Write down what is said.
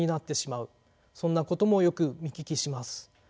そんなこともよく見聞きします。